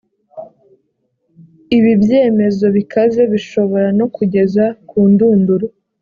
ibi ibyemezo bikaze bishobora no kugeza ku ndunduro